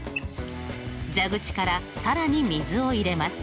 蛇口から更に水を入れます。